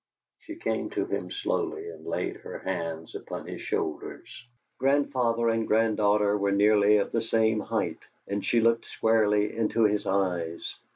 She came to him slowly and laid her hands upon his shoulders. Grandfather and granddaughter were nearly of the same height, and she looked squarely into his eyes.